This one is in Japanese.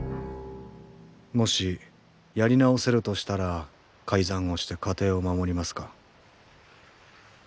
もしやり直せるとしたら改ざんをして家庭を守りますか？